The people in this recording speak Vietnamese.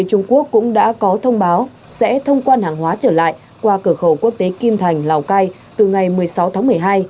trung quốc cũng đã có thông báo sẽ thông quan hàng hóa trở lại qua cửa khẩu quốc tế kim thành lào cai từ ngày một mươi sáu tháng một mươi hai